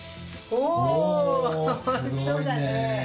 おいしそうだね。